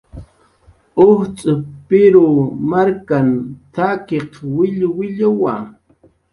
"Ujtz' Pirw markan t""akiq willwilluwa"